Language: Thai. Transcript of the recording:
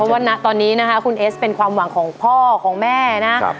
ว่าณตอนนี้นะคะคุณเอสเป็นความหวังของพ่อของแม่นะ